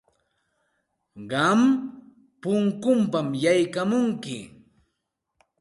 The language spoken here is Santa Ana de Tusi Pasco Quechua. Qam punkunpam yaykamunki.